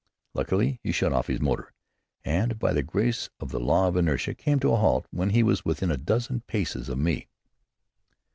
Luckily he shut off his motor, and by the grace of the law of inertia came to a halt when he was within a dozen paces of me.